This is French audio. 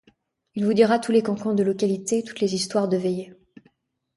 Il vous dira tous les cancans de localité, toutes les histoires de veillée.